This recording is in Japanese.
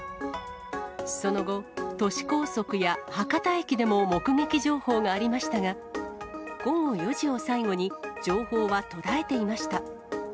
その後、都市高速や博多駅でも目撃情報がありましたが、午後４時を最後に、情報は途絶えていました。